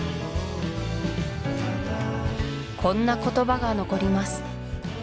こんな言葉が残ります